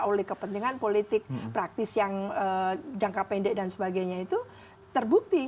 oleh kepentingan politik praktis yang jangka pendek dan sebagainya itu terbukti